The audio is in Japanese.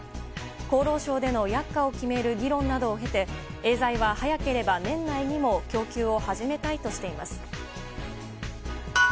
厚労省での薬価を決める議論などを経てエーザイは早ければ年内にも供給を始めたいとしています。